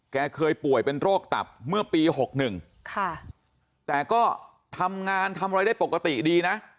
แกเคยป่วยเป็นโรคตับเมื่อปี๖๑ค่ะแต่ก็ทำงานทำอะไรได้ปกติดีนะ